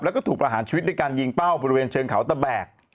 แล้วก็ถูกประหารชีวิตด้วยการยิงเป้าบริเวณเชิงเขาตะแบก